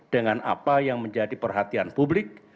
dengan apa yang menjadi perhatian publik